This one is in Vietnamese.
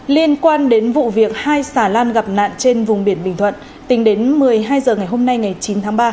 liên quan đến vụ việc hai xà lan gặp nạn trên vùng biển bình thuận tính đến một mươi hai h ngày hôm nay ngày chín tháng ba